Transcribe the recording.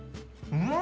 うん！